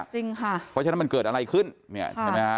จริงค่ะเพราะฉะนั้นมันเกิดอะไรขึ้นเนี่ยใช่ไหมฮะ